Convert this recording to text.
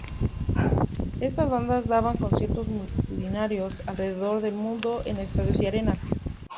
Estas bandas daban conciertos multitudinarios alrededor del mundo, en estadios y arenas.